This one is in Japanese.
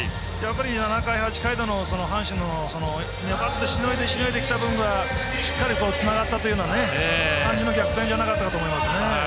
７回、８回の阪神の粘ってしのいでしのいで、きた分がしっかりとつながったという感じの逆転じゃなかったかと思います。